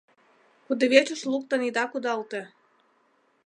Кудывечыш луктын ида кудалте.